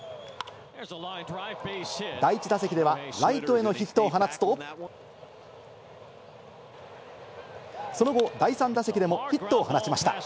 第１打席ではライトへのヒットを放つと、その後、第３打席でもヒットを放ちました。